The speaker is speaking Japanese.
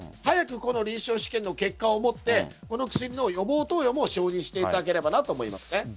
早く臨床試験の結果をもってこの薬の予防投与も承認していただければと思います。